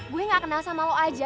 gue gak kenal sama lo aja